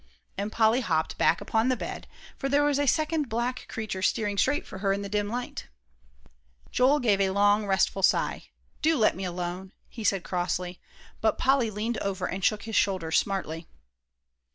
and Polly hopped back upon the bed, for there was a second black creature steering straight for her in the dim light. Joel gave a long restful sigh. "Do let me alone," he said crossly. But Polly leaned over and shook his shoulder smartly.